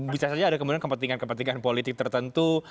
bisa saja ada kemudian kepentingan kepentingan politik tertentu